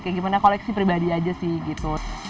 kayak gimana koleksi pribadi aja sih gitu